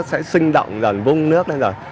sẽ sinh động gần vung nước lên rồi